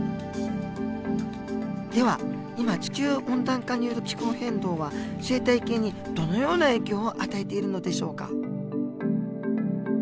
では今地球温暖化による気候変動は生態系にどのような影響を与えているのでしょうか？